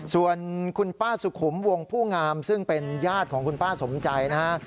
ส่วนคุณป้าสุขุมวงผู้งามซึ่งเป็นญาติของคุณป้าสมใจนะฮะ